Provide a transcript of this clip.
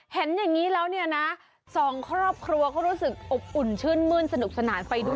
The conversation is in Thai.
เห็นอย่างนี้แล้วเนี่ยนะสองครอบครัวเขารู้สึกอบอุ่นชื่นมื้นสนุกสนานไปด้วย